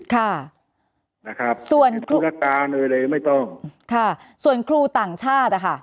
ค่ะนะครับส่วนครูอาการอะไรเลยไม่ต้องค่ะส่วนครูต่างชาติอ่ะค่ะ